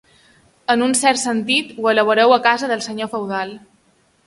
En un cert sentit, ho elaboreu a casa del senyor feudal.